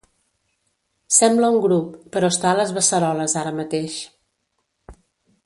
Sembla un grup, però està a les beceroles ara mateix.